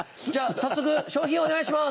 早速賞品お願いします！